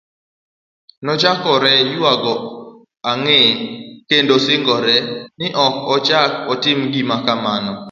Nochakore yuago ang'e, kendo singore, ni ok ochak otim gima kamano.